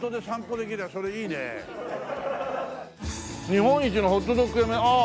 「日本一のホットドック屋」ああ。